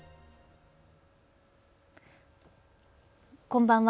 こんばんは。